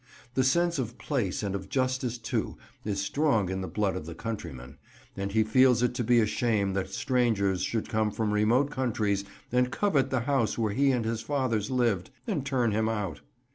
The sense of place and of justice too, is strong in the blood of the countryman, and he feels it to be a shame that strangers should come from remote countries and covet the house where he and his fathers lived, and turn him out.